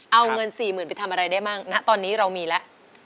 เอาเงิน๔๐๐๐ไปทำอะไรได้บ้างณตอนนี้เรามีแล้ว